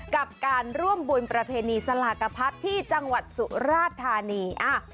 กับการร่วมบุญประเพณีสลากพัดที่จังหวัดสุราธานี